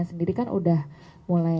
sendiri kan udah mulai